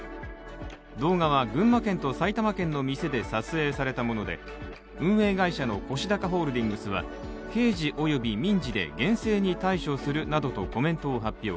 動画は群馬県と埼玉県の店で撮影されたもので運営会社のコシダカホールディングスは刑事および民事で厳正に対処するなどとコメントを発表。